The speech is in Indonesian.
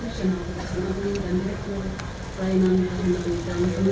atau alat uji lapangan